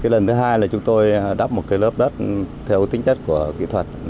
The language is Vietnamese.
lần thứ hai là chúng tôi đắp một lớp đất theo tính chất của kỹ thuật